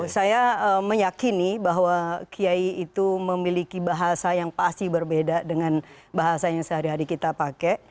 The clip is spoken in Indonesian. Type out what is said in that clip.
saya meyakini bahwa kiai itu memiliki bahasa yang pasti berbeda dengan bahasa yang sehari hari kita pakai